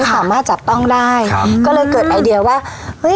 สามารถจับต้องได้ครับก็เลยเกิดไอเดียว่าเฮ้ย